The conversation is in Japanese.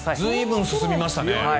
随分、進みましたね。